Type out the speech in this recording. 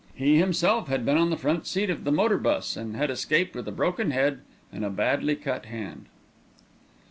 He himself had been on the front seat of the motor bus and had escaped with a broken head and a badly cut hand.